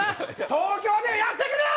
東京でやってくねん！